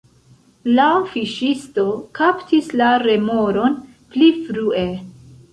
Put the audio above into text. La fiŝisto kaptis la remoron pli frue.